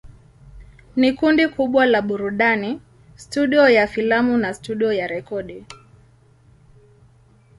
Ni kundi kubwa la burudani, studio ya filamu na studio ya rekodi.